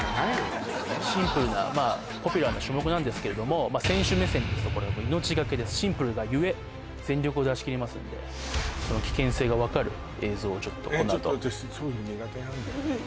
シンプルなまあポピュラーな種目なんですけれども選手目線ですとこれは命懸けでシンプルがゆえ全力を出し切りますんでその危険性が分かる映像をちょっとこのあとえっ私そういうの苦手なんだよね